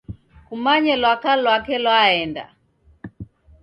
Kumanye lwaka lwake lwaenda.